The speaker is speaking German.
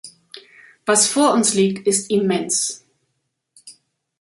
Was vor uns liegt, ist immens.